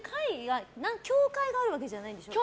協会があるわけじゃないんですよね？